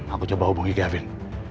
aku coba hubungi gavin